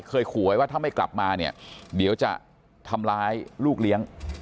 เคยขู่ไว้ว่าถ้าไม่กลับมาเนี่ยเดี๋ยวจะทำร้ายลูกเลี้ยง